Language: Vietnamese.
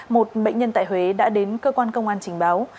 một bệnh nhân tại huế đã đến cơ quan công an trình báo